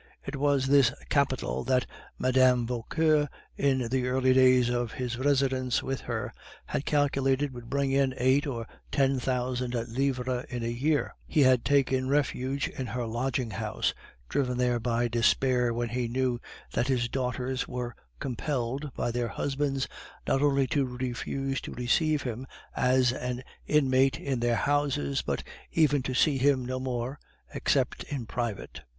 It was this capital that Mme. Vauquer, in the early days of his residence with her, had calculated would bring in eight or ten thousand livres in a year. He had taken refuge in her lodging house, driven there by despair when he knew that his daughters were compelled by their husbands not only to refuse to receive him as an inmate in their houses, but even to see him no more except in private.